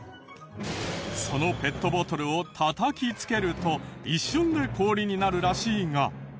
そのペットボトルをたたきつけると一瞬で氷になるらしいが。